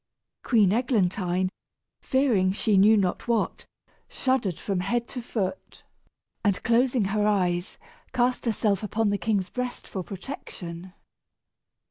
Queen Eglantine, fearing she knew not what, shuddered from head to foot, and closing her eyes cast herself upon the king's breast for protection.